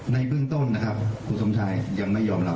ในเบื้องต้นนะครับคุณสมชายยังไม่ยอมรับ